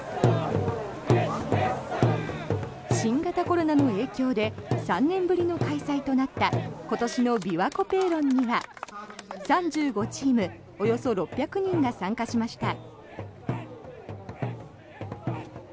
新型コロナの影響で３年ぶりの開催となった今年のびわこペーロンには３５チーム、およそ６００人が参加しました。